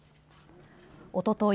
おととい